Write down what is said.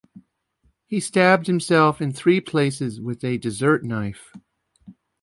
He stabbed himself in three places with a desert knife.